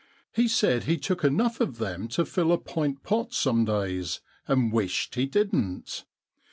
He said he took enough of them to fill a pint pot some days and he wished he didn't.